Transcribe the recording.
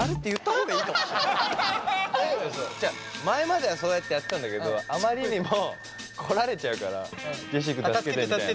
前まではそうやってやってたんだけどあまりにも来られちゃうからジェシー君助けてみたいな。